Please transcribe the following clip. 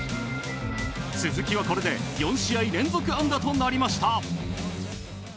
鈴木はこれで４試合連続安打となりました。